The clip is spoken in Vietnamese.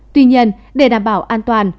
tuy nhiên để đảm bảo an toàn